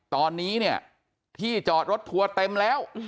ตอนนี้เนี่ยที่จอดรถทัวร์เต็มแล้ว